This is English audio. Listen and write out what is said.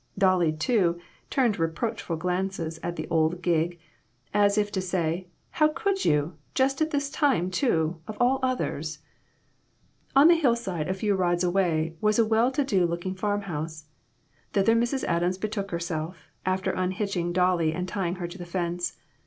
Dolly, too, turned reproachful glances at the old gig, as if to say " How could you ? Just at this time, too, of all others !" On the hillside, a few rods away, was a well to do looking farm house. Thither Mrs. Adams betook herself, after unhitching Dolly and tying her to the fence.